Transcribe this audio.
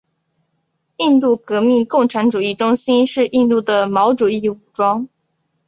印度革命共产主义中心是印度的毛主义武装。